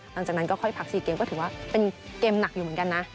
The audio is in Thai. หลังจากนั้นก็ค่อยพัก๔เกมก็ถือว่าเป็นเกมหนักอยู่เหมือนกันนะ